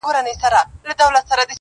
ډېر هوښیار وو د خپل کسب زورور وو٫